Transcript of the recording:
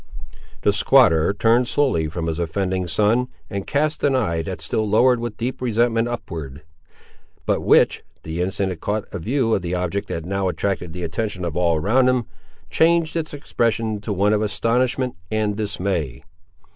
The squatter turned slowly from his offending son, and cast an eye, that still lowered with deep resentment upward; but which, the instant it caught a view of the object that now attracted the attention of all around him, changed its expression to one of astonishment and dismay.